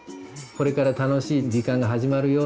「これから楽しい時間が始まるよ」